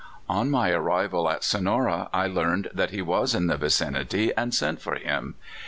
" On my arrival at Sonora, I learned that he was in the vicinity, and sent for him.